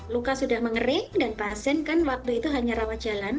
luka sudah mengering dan pasien kan waktu itu hanya rawat jalan